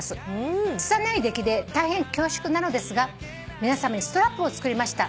「拙い出来で大変恐縮なのですが皆さまにストラップを作りました」